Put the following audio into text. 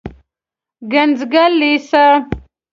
ګنجګل لېسه